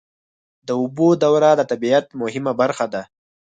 د اوبو دوره د طبیعت مهمه برخه ده.